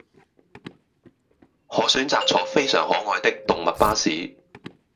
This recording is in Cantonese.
可選擇坐非常可愛的動物巴士